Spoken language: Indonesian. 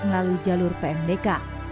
melalui jalur pmdk